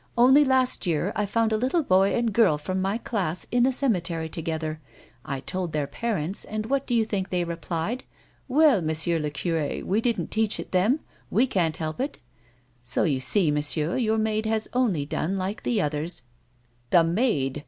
Only last year I found a little boy and girl from my class in the cemetery together. I told their parents, and what do you think tlio}' replied :'■ Well, M'sieu I'cure, we didn't teach it them ; we can't help A WOMAN'S LIFE. 117 it.' So you see, monsieur, yovir maid has only done like the others —" "The maid!"